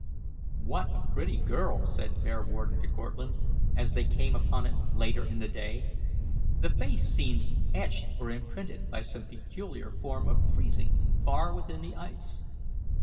....... "What a pretty girl!" said Bearwarden to Cortlandt, as they came upon it later in the day. "The face seems etched or imprinted by some peculiar form of freezing far within the ice."